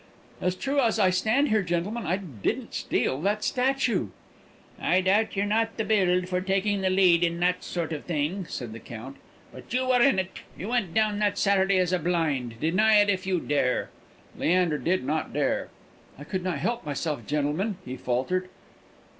"As true as I stand here, gentlemen, I didn't steal that statue." "I doubt you're not the build for taking the lead in that sort of thing," said the Count; "but you were in it. You went down that Saturday as a blind. Deny it if you dare." Leander did not dare. "I could not help myself, gentlemen," he faltered.